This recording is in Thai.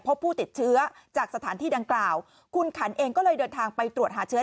พบผู้ติดเชื้อจากสถานที่ดังกล่าวคุณขันเองก็เลยเดินทางไปตรวจหาเชื้อ